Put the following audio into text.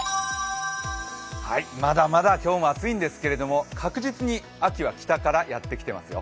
まだまだ今日も暑いんですけれども、確実に秋は北からやってきてますよ。